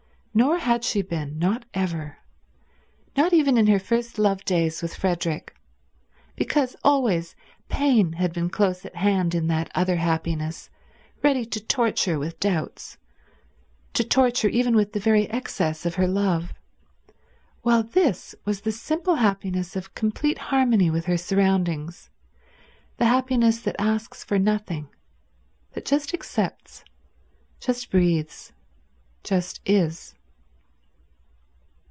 Nor had she been; not ever; not even in her first love days with Frederick. Because always pain had been close at hand in that other happiness, ready to torture with doubts, to torture even with the very excess of her love; while this was the simple happiness of complete harmony with her surroundings, the happiness that asks for nothing, that just accepts, just breathes, just is.